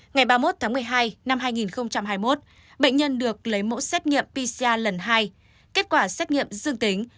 ngày ba mươi một tháng một mươi hai năm hai nghìn hai mươi một bệnh nhân được lấy mẫu xét nghiệm pcr lần hai kết quả xét nghiệm dương tính